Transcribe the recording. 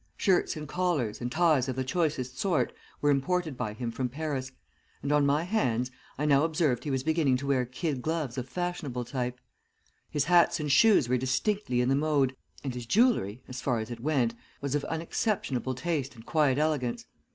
Shirts and collars, and ties of the choicest sort were imported by him from Paris, and on my hands I now observed he was beginning to wear kid gloves of fashionable type. His hats and shoes were distinctly in the mode, and his jewelry, as far as it went, was of unexceptionable taste and quiet elegance.